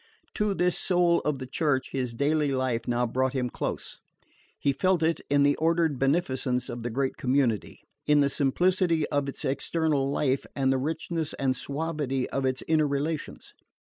To this soul of the Church his daily life now brought him close. He felt it in the ordered beneficence of the great community, in the simplicity of its external life and the richness and suavity of its inner relations.